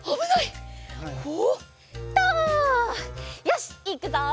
よしいくぞ！